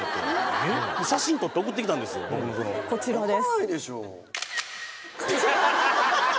こちらです。